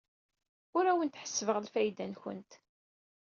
Ur awent-ḥessbeɣ lfayda-nwent.